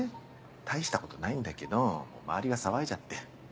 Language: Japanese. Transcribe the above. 大したことないんだけど周りが騒いじゃって。